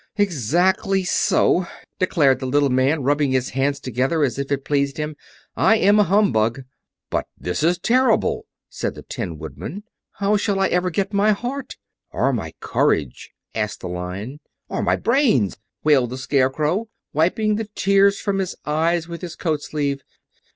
"Exactly so!" declared the little man, rubbing his hands together as if it pleased him. "I am a humbug." "But this is terrible," said the Tin Woodman. "How shall I ever get my heart?" "Or I my courage?" asked the Lion. "Or I my brains?" wailed the Scarecrow, wiping the tears from his eyes with his coat sleeve.